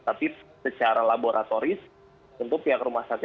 tapi secara laboratoris untuk pihak rumah sakit